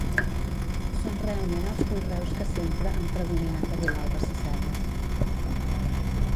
Són realment els conreus que sempre, han predominat a Vilalba Sasserra.